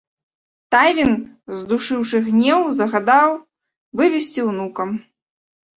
Тайвін, здушыўшы гнеў, загадаў вывесці ўнука.